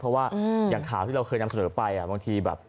เพราะว่าอย่างขาวที่เคยต่อไปครับ